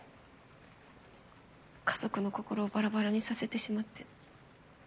家族の心をばらばらにさせてしまって。